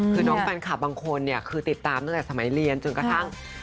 คือน้องแฟนคลับบางคนเนี่ยคือติดตามตั้งแต่สมัยเรียนจนกระทั่ง